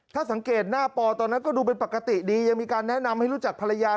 ถ้าสังเกตหน้าปอตอนนั้นก็ดูเป็นปกติดียังมีการแนะนำให้รู้จักภรรยา